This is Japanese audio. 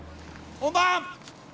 ・本番！